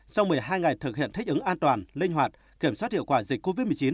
sau một mươi hai ngày thực hiện thích ứng an toàn linh hoạt kiểm soát hiệu quả dịch covid một mươi chín